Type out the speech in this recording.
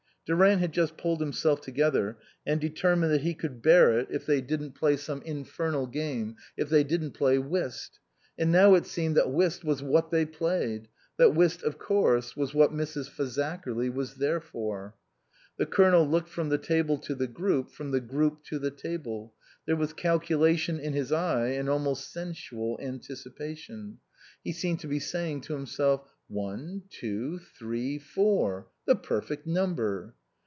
Durant had just pulled himself together, and determined that he could bear it if they didn't 25 THE COSMOPOLITAN play some infernal game, if they didn't play whist. And now it seemed that whist was what they played, that whist of course was what Mrs. Fazakerly was there for. The Colonel looked from the table to the group, from the group to the table ; there was calculation in his eye, an almost sensual anticipation. He seemed to be saying to himself, " One, two, three, four ; the perfect number."